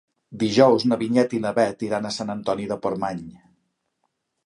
Dijous na Vinyet i na Bet iran a Sant Antoni de Portmany.